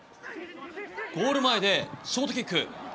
ゴール前でショートキック。